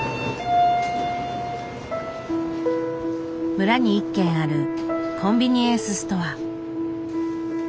村に１軒あるコンビニエンスストア。